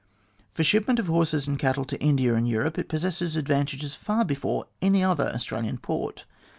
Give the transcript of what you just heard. For shipment of horses and cattle to India and Europe, it possesses advantages far before any other Australian port.